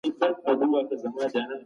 پوهان په دې اړه مختلف کتابونه لیکي.